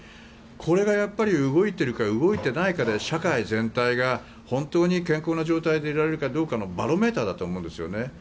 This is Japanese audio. これが動いているか動いていないかで社会全体が本当に健康な状態でいられるかどうかのバロメーターだと思うんです。